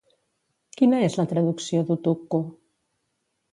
Quina és la traducció d'Utukku?